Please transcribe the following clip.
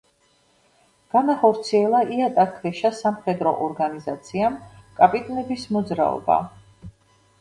განახორციელა იატაკქვეშა სამხედრო ორგანიზაციამ „კაპიტნების მოძრაობა“.